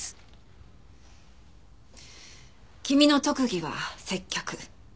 君の特技は接客。